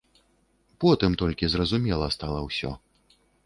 Потым толькі зразумела стала ўсё.